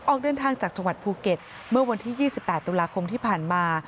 ออกเดินทางจากจังหวัดภูเก็ตเมื่อวันที่๒๘ตุลาคมที่ผ่านมา